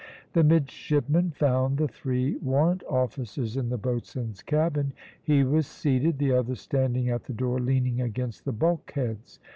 The midshipmen found the three warrant officers in the boatswain's cabin. He was seated; the others standing at the door, leaning against the bulkheads.